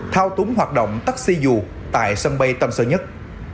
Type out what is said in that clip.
thao túng hoạt động taxi dù tại sân bay tân sơn nhất